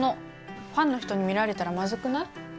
ファンの人に見られたらまずくない？